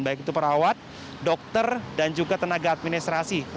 baik itu perawat dokter dan juga tenaga administrasi